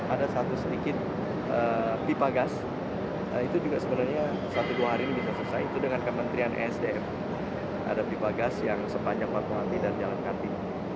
ada satu sedikit pipa gas itu juga sebenarnya satu dua hari ini bisa selesai itu dengan kementrian esdf ada pipa gas yang sepanjang pakuwan ini dan jalan kantin ini